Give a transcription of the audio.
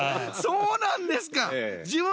そうなんですか。